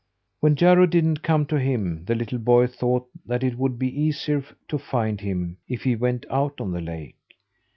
When Jarro didn't come to him, the little boy thought that it would be easier to find him if he went out on the lake.